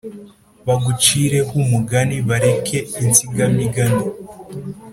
Bagucire ho umugani, bareke insigamigani